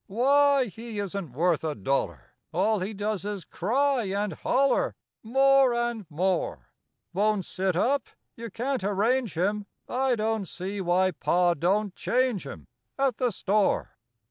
Why, he isn't worth a dollar! All he does is cry and holler More and more; Won't sit up you can't arrange him, I don't see why Pa do'n't change him At the store.